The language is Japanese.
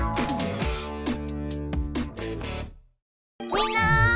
みんな！